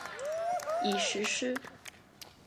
已实施。